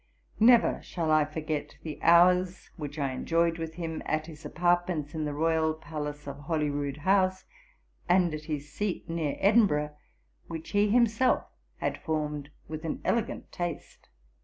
Never shall I forget the hours which I enjoyed with him at his apartments in the Royal Palace of Holy Rood House, and at his seat near Edinburgh, which he himself had formed with an elegant taste.